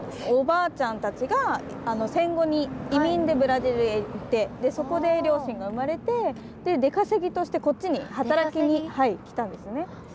おばあちゃんたちが戦後に移民でブラジルへ行ってそこで両親が生まれてでデカセギとしてこっちに働きに来たんですね。